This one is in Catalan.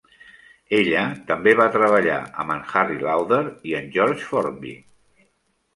Ella també va treballar amb en Harry Lauder i en George Formby.